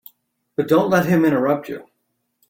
But don't let him interrupt you.